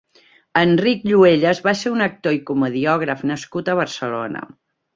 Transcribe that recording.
Enric Lluelles va ser un actor i comediògraf nascut a Barcelona.